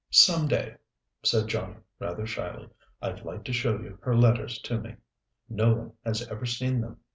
Some day," said Johnnie, rather shyly, "I'd like to show you her letters to me. No one has ever seen them.